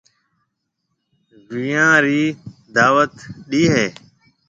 وينيان رَي دعوتون ڏَي ھيََََ